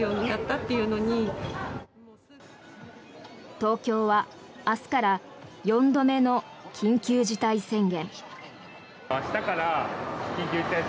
東京は明日から４度目の緊急事態宣言。